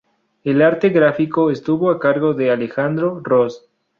El arte gráfico estuvo a cargo de Alejandro Ros.